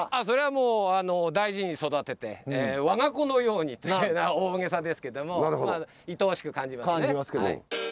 もう大事に育てて我が子のようにってのは大げさですけどもいとおしく感じますね。